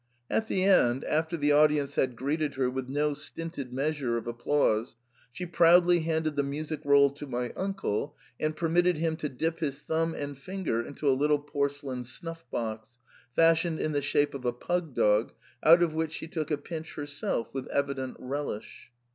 At the end, after the audience had greeted her with no stinted* measure of applause, she proudly handed the music roll to my uncle, and permitted him to dip his thumb and finger into a little porcelain snuff box, fashioned in the shape of a pug dog, out of which she took a pinch herself with evident relish.